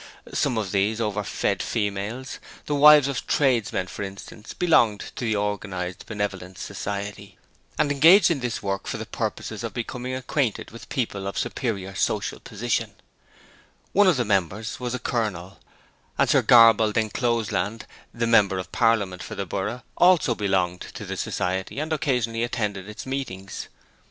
Some of these overfed females the wives of tradesmen, for instance belonged to the Organized Benevolence Society, and engaged in this 'work' for the purpose of becoming acquainted with people of superior social position one of the members was a colonel, and Sir Graball D'Encloseland the Member of Parliament for the borough also belonged to the Society and occasionally attended its meetings.